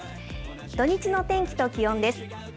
土日の天気と気温です。